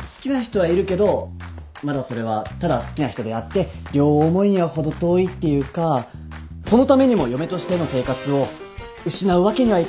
好きな人はいるけどまだそれはただ好きな人であって両思いには程遠いっていうかそのためにも嫁としての生活を失うわけにはいかないっていうか。